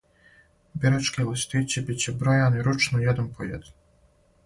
Бирачки листићи биће бројани ручно један по један.